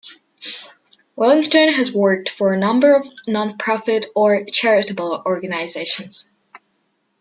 Wellington has worked for a number of non profit or charitable organisations.